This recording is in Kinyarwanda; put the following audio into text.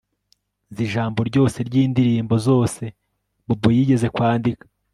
Nzi ijambo ryose ryindirimbo zose Bobo yigeze kwandika